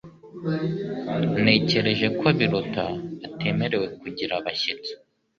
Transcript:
Natekereje ko Biruta atemerewe kugira abashyitsi